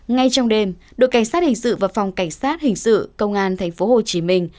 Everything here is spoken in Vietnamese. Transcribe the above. ngay trong đêm đội cảnh sát hình sự và phòng cảnh sát hình sự công an thành phố hồ chí minh